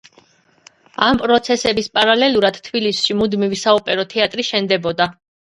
ამ პროცესების პარალელურად თბილისში მუდმივი საოპერო თეატრი შენდებოდა.